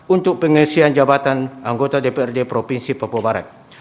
untuk pengisian jabatan anggota dprd provinsi papua barat